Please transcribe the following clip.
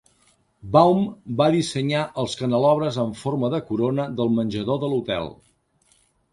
Baum va dissenyar els canelobres amb forma de corona del menjador de l'hotel.